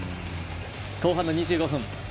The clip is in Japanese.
後半の２５分。